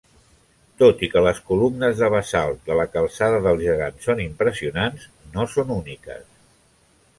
Tot i que les columnes de basalt de la Calçada del Gegant són impressionants, no són úniques.